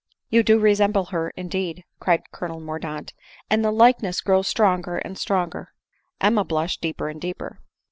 " You do resemble her indeed," cried Colonel Mor daunt, " and the likeness grows stronger and stronger." Emma blushed deeper and deeper.